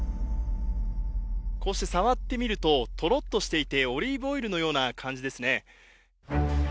こうして触ってみると、とろっとしていてオリーブオイルのような感じですね。